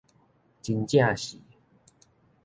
真正是